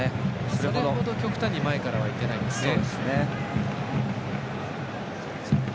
それほど極端に前からは行ってないんですね。